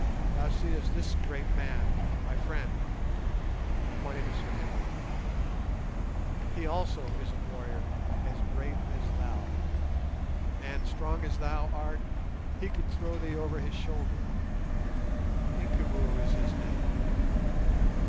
Thou seest this great man, my friend"—and I pointed to Sir Henry; "he also is a warrior as great as thou, and, strong as thou art, he could throw thee over his shoulder. Incubu is his name.